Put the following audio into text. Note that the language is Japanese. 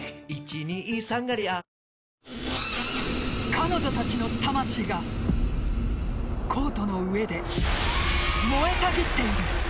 彼女たちの魂がコートの上で燃えたぎっている。